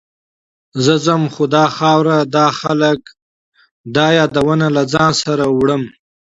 زه ځم، خو دا خاوره، دا خلک، دا یادونه له ځان سره وړم.